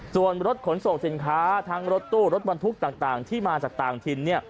ส่วนรถขนส่งสินค้าทั้งรถตู้รถบรรทุกต่างที่มาจากต่างถิ่น